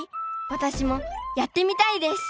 私もやってみたいです！